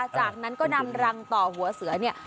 จากนั้นก็นำรังต่อหัวเสือเนี่ย